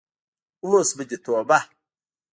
اوس به دې توبه.